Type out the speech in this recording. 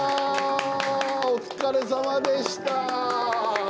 お疲れさまでした。